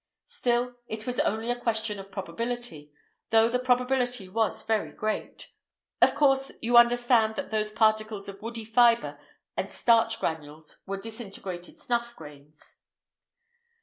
Still, it was only a question of probability, though the probability was very great. Of course, you understand that those particles of woody fibre and starch granules were disintegrated snuff grains."